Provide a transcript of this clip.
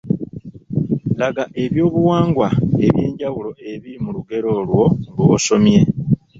Laga eby’obuwangwa eby’enjawulo ebiri mu lugero olwo lwosomye.